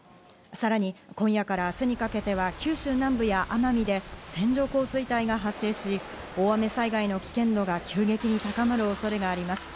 さらに今夜から明日にかけては九州南部や奄美で線状降水帯が発生し、大雨災害の危険度が急激に高まる恐れがあります。